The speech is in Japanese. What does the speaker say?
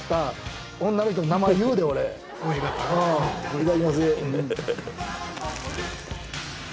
いただきます。